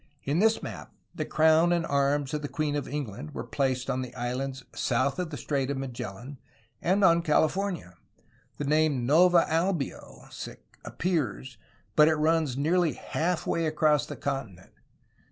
In this map the crown and arms of the queen of England were placed on the islands south of the Strait of Magellan and on California. The name "Nova Albio" appears, but it runs nearly half way across the continent.